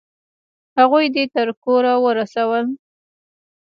هغوی دې تر کوره ورسول؟